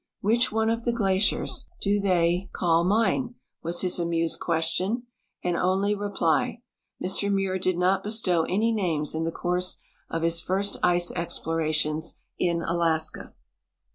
" M'hich one of the glaciers do they call mine?" was his amused question and only reply. Mr INIuir did not bestow any names in the course of his first ice explora tions in Alaska.